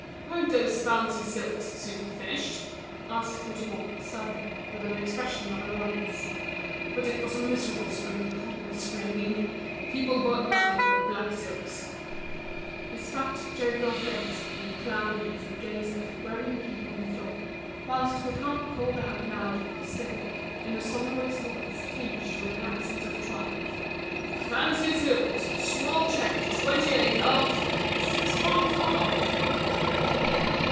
"Won't those fancy silks soon be finished?" asked Bouthemont suddenly, with an annoyed air. "What a miserable spring, always raining! People have bought nothing but black silks." His fat, jovial face became cloudy; he looked at the growing heap on the floor, whilst Hutin called out louder still, in a sonorous voice, not free from triumph—"Fancy silks, small check, twenty eight yards, at six francs and a half."